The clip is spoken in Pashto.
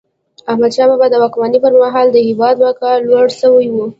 احمدشاه بابا د واکمني پر مهال د هیواد وقار لوړ سوی و.